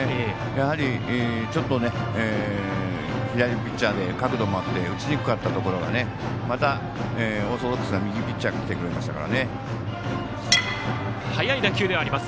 やはり、ちょっと左ピッチャーで角度もあって打ちにくかったところがまたオーソドックスに右ピッチャーにきてくれましたからね。